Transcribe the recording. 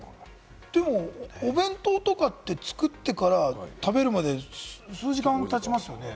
お弁当とかって、作ってから食べるまでに数時間がたちますよね。